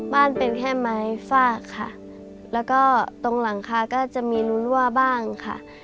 เป็นแค่ไม้ฟากค่ะแล้วก็ตรงหลังคาก็จะมีรูรั่วบ้างค่ะ